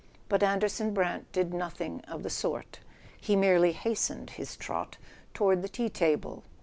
But Anderson Brant did nothing of the sort: he merely hastened his trot toward the tea table.